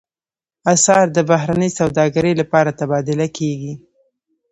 اسعار د بهرنۍ سوداګرۍ لپاره تبادله کېږي.